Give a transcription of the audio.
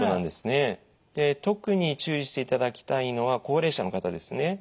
で特に注意していただきたいのは高齢者の方ですね。